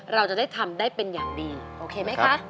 เราจะได้ทำได้เป็นอย่างดีโอเคไหมคะ